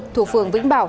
thuộc phường vĩnh bảo